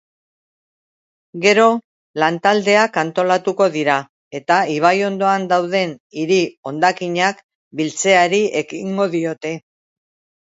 Gero, lan-taldeak antolatuko dira eta ibai ondoan dauden hiri-hondakinak biltzeari ekingo diote.